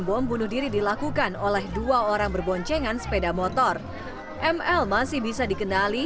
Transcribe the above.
bom bunuh diri dilakukan oleh dua orang berboncengan sepeda motor ml masih bisa dikenali